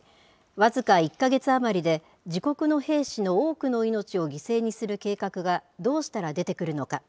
僅か１か月余りで、自国の兵士の多くの命を犠牲にする計画がどうしたら出てくるのか。